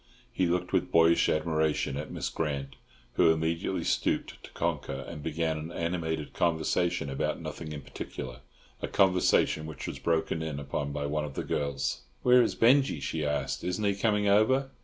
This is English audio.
He looked with boyish admiration at Miss Grant, who immediately stooped to conquer, and began an animated conversation about nothing in particular—a conversation which was broken in upon by one of the girls. "Where is Binjie?" she asked. "Isn't he coming over?"